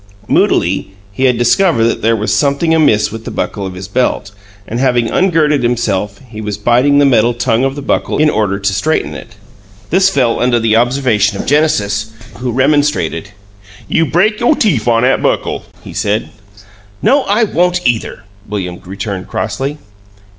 Moodily, he had discovered that there was something amiss with the buckle of his belt, and, having ungirded himself, he was biting the metal tongue of the buckle in order to straighten it. This fell under the observation of Genesis, who remonstrated. "You break you' teef on 'at buckle," he said. "No, I won't, either," William returned, crossly.